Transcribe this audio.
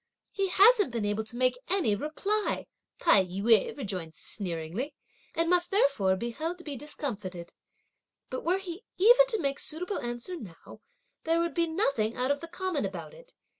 "He hasn't been able to make any reply," Tai yü rejoined sneeringly, "and must therefore be held to be discomfited; but were he even to make suitable answer now, there would be nothing out of the common about it!